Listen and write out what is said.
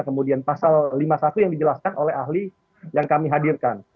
kemudian pasal lima puluh satu yang dijelaskan oleh ahli yang kami hadirkan